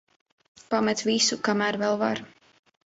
Pamet visu, kamēr vēl var.